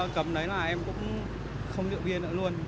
cầm đấy là em cũng không rượu bia nữa